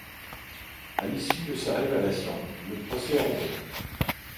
A l’issue de ces révélations, le procès est renvoyé.